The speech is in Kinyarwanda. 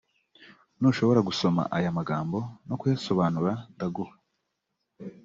nushobora gusoma aya magambo no kuyasobanura ndaguha